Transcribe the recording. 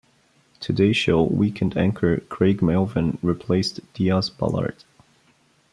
"Today Show" weekend anchor Craig Melvin replaced Diaz-Balart.